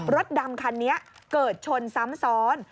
รถดำคันนี้เกิดชนซ้ำซ้อน